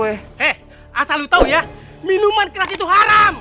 eh asal lu tau ya minuman keras itu haram